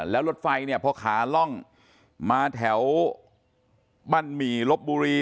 แล้วรถไฟเนี่ยพอขาล่องมาแถวบ้านหมี่ลบบุรี